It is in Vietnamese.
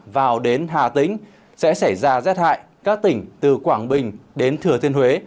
vào đến hà tĩnh sẽ xảy ra rét hại các tỉnh từ quảng bình đến thừa thiên huế